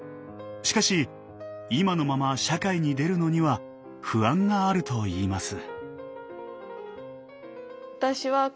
しかし今のまま社会に出るのには不安があるといいます。